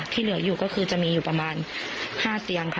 ที่เหลืออยู่ก็คือจะมีอยู่ประมาณ๕เตียงค่ะ